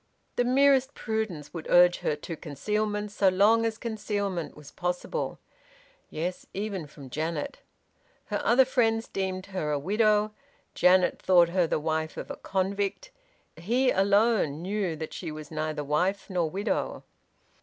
The merest prudence would urge her to concealment so long as concealment was possible; yes, even from Janet! Her other friends deemed her a widow; Janet thought her the wife of a convict; he alone knew that she was neither wife nor widow.